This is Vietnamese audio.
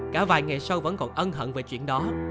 cả vài ngày sau vẫn còn ân hận về chuyện đó